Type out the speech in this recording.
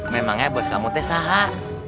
memangnya bos kamu teh saha